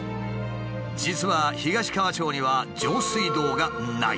実は東川町には上水道がない。